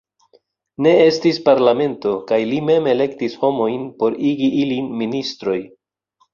Ne estis parlamento kaj li mem elektis homojn por igi ilin ministroj.